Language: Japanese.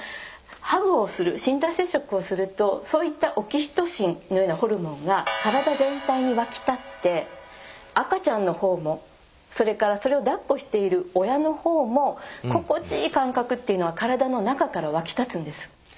ハグをする身体接触をするとそういったオキシトシンのようなホルモンが体全体にわき立って赤ちゃんの方もそれからそれをだっこしている親の方も心地いい感覚っていうのは体の中からわき立つんです。